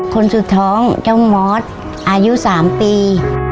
คนสุดท้องเจ้ามอสอายุ๓ปี